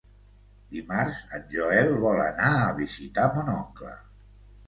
Dimarts en Joel vol anar a visitar mon oncle.